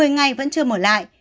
một mươi ngày vẫn chưa mở lại